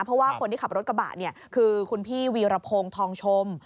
เพราะว่าคนที่ขับรถกระบะเนี่ยคือคุณพี่วีรพงศ์ทองชม